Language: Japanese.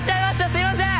すいません！